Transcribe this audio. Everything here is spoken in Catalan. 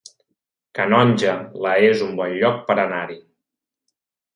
Canonja, la es un bon lloc per anar-hi